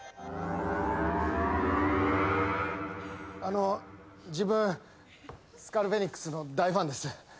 あの自分スカルフェニックスの大ファンです。